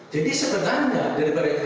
jadi sebenarnya dari repotasi